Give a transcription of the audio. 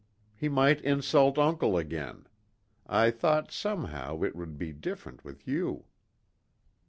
He might insult uncle again. I thought, somehow, it would be different with you."